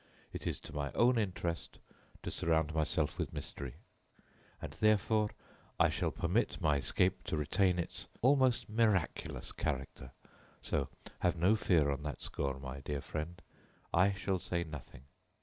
It is to my own interest to surround myself with mystery, and therefore I shall permit my escape to retain its almost miraculous character. So, have no fear on that score, my dear friend. I shall say nothing.